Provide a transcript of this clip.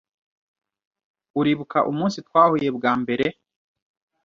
Uribuka umunsi twahuye bwa mbere?